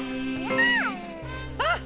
あっ！